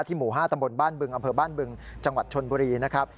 หมู่๕ตำบลบ้านบึงอำเภอบ้านบึงจังหวัดชนบุรีนะครับ